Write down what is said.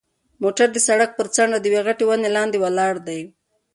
موټر د سړک پر څنډه د یوې غټې ونې لاندې ولاړ دی.